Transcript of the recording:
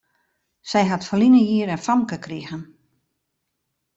Sy ha ferline jier in famke krigen.